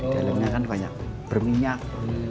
di dalaminya kan banyak berminyak